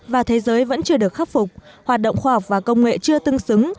và thế giới vẫn chưa được khắc phục hoạt động khoa học và công nghệ chưa tương xứng